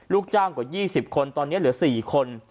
ลูกจ้างกว่า๒๐คนตอนนี้เหลือ๔คน